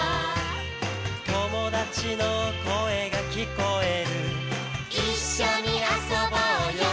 「友達の声が聞こえる」「一緒に遊ぼうよ」